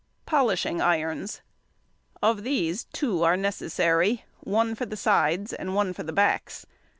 Polishing irons. Of these two are necessary—one for the sides and one for the backs.